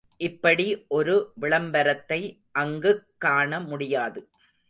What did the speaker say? இப்படி ஒரு விளம்பரத்தை அங்குக் காண முடியாது.